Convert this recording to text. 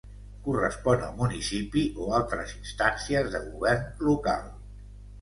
Correspon al municipi o altres instàncies de govern local.